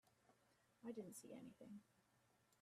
I didn't see anything.